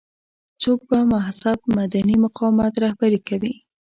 څوک به مهذب مدني مقاومت رهبري کوي.